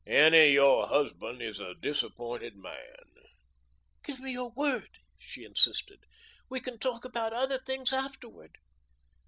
Annie, your husband is a disappointed man." "Give me your word," she insisted. "We can talk about other things afterward."